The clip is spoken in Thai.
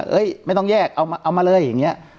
ไม่ต้องแยกเอามาเลยอย่างนี้